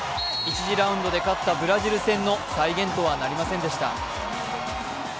１次ラウンドで勝ったブラジル戦の再現とはなりませんでした。